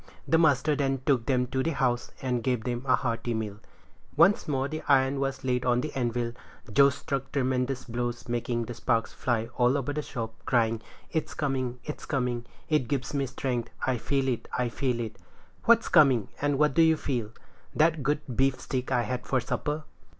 The master then took them to the house, and gave them a hearty meal. Once more the iron was laid upon the anvil; Joe struck tremendous blows, making the sparks fly all over the shop, crying, "It's coming! it's coming! it gives me strength! I feel it! I feel it!" "What's coming, and what do you feel?" "That good beefsteak I had for supper."